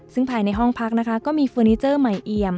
ซึ่งภายในห้องพักนะคะก็มีเฟอร์นิเจอร์ใหม่เอี่ยม